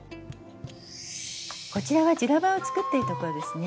こちらは「ジュラバ」を作っているところですね。